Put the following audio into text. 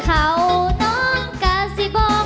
เธอเป็นผู้สาวขาเลียน